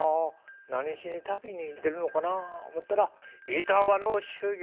何しに旅に出るのかな思ったら「板場の修業」